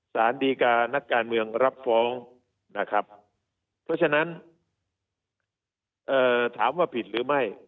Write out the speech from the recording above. สารดีการักการเมืองรับฟ้องนะครับเพราะฉะนั้นถามว่าผิดหรือไม่